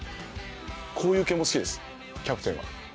こういう系も好きですキャプテンは。